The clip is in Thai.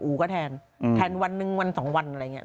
็แทนแทนวันหนึ่งวันสองวันอะไรอย่างนี้